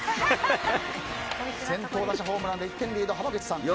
先頭打者ホームランで１点リード、濱口さん。